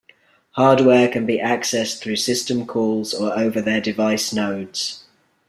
Hardware can be accessed through system calls or over their device nodes.